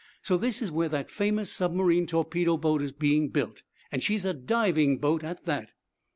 So this is where that famous submarine torpedo boat is being built? And she's a diving boat, at that?"